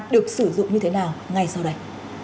được sử dụng như thế nào ngay sau đây